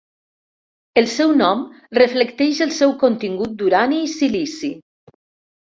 El seu nom reflecteix el seu contingut d'urani i silici.